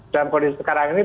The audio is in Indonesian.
dalam kondisi sekarang ini